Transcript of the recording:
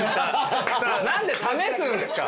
何で試すんすか。